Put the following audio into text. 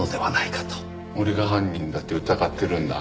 俺が犯人だって疑ってるんだ。